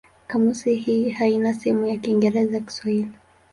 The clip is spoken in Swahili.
Kamusi hii haina sehemu ya Kiingereza-Kiswahili.